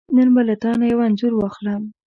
نن به له تانه یو انځور واخلم .